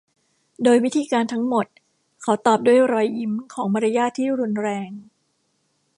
โดยวิธีการทั้งหมดเขาตอบด้วยรอยยิ้มของมารยาทที่รุนแรง